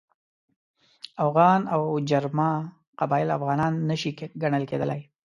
اوغان او جرما قبایل افغانان نه شي ګڼل کېدلای.